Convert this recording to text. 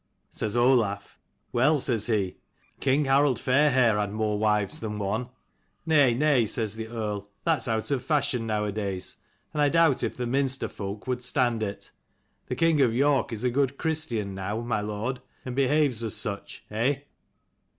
Says Olaf, Well, says he, king Harald Fairhair had more wives than one. Nay, nay, says the Earl, that's out of fashion nowadays, and I doubt if the Minster folk would stand it : the king of York is a good Christian now, my lord, and behaves as such: eh?